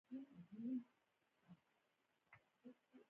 یورانیم د افغانستان د اقتصاد برخه ده.